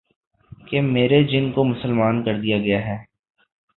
کہ میرے جن کو مسلمان کر دیا گیا ہے